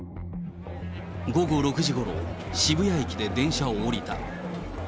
午後６時ごろ、渋谷駅で電車を降りた。